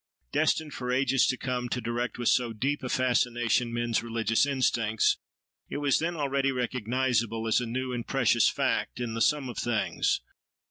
Destined for ages to come, to direct with so deep a fascination men's religious instincts, it was then already recognisable as a new and precious fact in the sum of things.